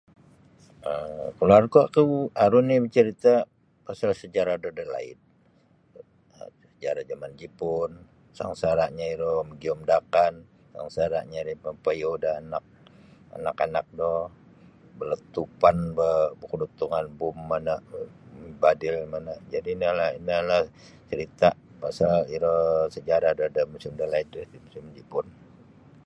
um kaluargaku aru ni bacarita pasal sejarah do dalaid. dari zaman jipun sangsaranyo iro mogium da akan sangsaranyo ri mapaiyou da anak anak-anak no beletupan bakudutungan bom mana mibadil mana jadi inolah inolah bacarita pasal iro sejarah da dalaid musim dalaid musim jipun.